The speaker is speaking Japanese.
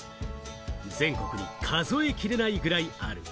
全国に数え切れないくらいある。